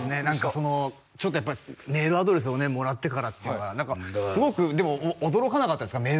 何かそのちょっとやっぱメールアドレスをねもらってからっていうのが何かすごくでも驚かなかったですか？